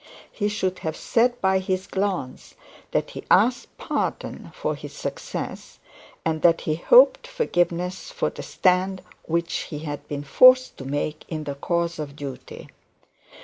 He should have said by his glance that he asked pardon for his success, and that he hoped forgiveness for the stand which he had been forced to make in the cause of duty.